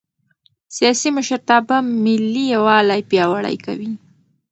سیاسي مشرتابه ملي یووالی پیاوړی کوي